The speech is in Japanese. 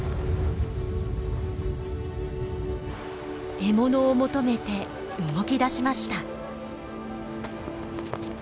獲物を求めて動き出しました。